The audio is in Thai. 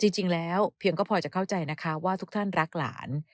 จริงแล้วเพียงก็พอจะเข้าใจนะคะว่าทุกท่านรักหลาน